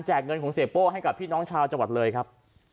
เงินของเสียโป้ให้กับพี่น้องชาวจังหวัดเลยครับ